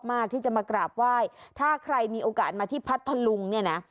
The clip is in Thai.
มากที่จะมากราบไหว้ถ้าใครมีโอกาสมาที่พัทธลุงเนี่ยนะ